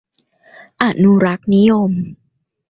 อนุรักษนิยม